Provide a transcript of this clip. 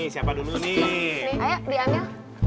siapa dulu nih